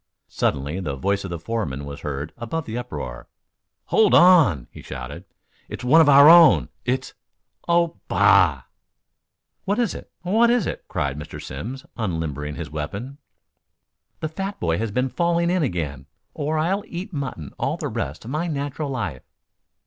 Suddenly the voice of the foreman was heard above the uproar. "Hold on!" he shouted. "It's one of our own it's Oh, bah!" "What is it? What is it!" cried Mr. Simms, unlimbering his weapon. "It's Chunky," snorted Ned Rector disgustedly. "The fat boy has been falling in again or I'll eat mutton all the rest of my natural life."